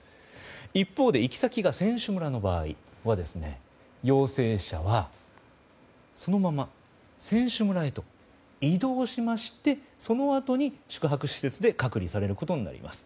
一方で、行き先が選手村の場合は陽性者はそのまま選手村へと移動しましてそのあとに宿泊施設で隔離されることになります。